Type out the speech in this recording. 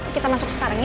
kita masuk sekarang yuk